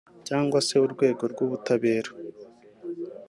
cyangwa se urwego rw’ubutabera